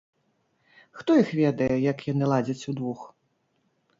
Хто іх ведае, як яны ладзяць удвух.